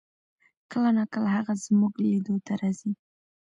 کله نا کله هغه زمونږ لیدو ته راځي